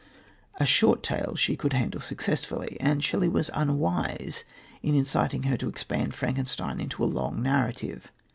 A short tale she could handle successfully, and Shelley was unwise in inciting her to expand Frankenstein into a long narrative.